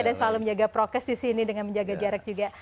dan selalu menjaga prokes di sini dengan menjaga jarak juga